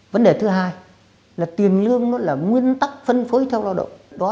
vấn đề thứ hai là tiền lương nó là nguyên tắc phân phối theo lao động